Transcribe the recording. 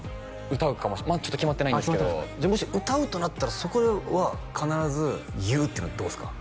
歌うかもちょっと決まってないんですけどじゃあもし歌うとなったらそこは必ず言うっていうのはどうですか？